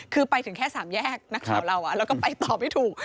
คือไปถึงแค่สามแยกนะครัวเราแล้วก็ไปตอบไม่ถูก